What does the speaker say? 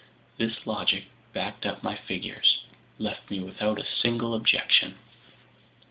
This logic, backed up by figures, left me without a single objection.